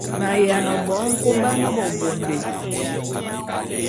Ma’yiane bo nkoban bebondé.